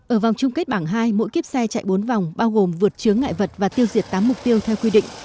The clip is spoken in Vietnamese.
ở vòng chung kết bảng hai mỗi kiếp xe chạy bốn vòng bao gồm vượt chướng ngại vật và tiêu diệt tám mục tiêu theo quy định